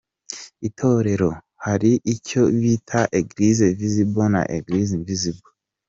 Itorero rero hari icyo bita Eglise Visible na Eglise invisible.